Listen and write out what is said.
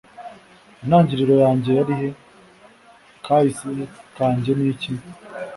intangiriro yanjye yari he? kahise kanjye niki